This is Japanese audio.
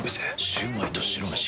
シュウマイと白めし。